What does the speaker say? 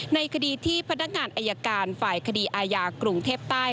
ในคดีที่พนักงานอายการฝ่ายคดีอาญากรุงเทพใต้